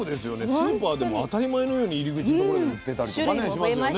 スーパーでも当たり前のように入り口の所で売ってたりとかねしますよね。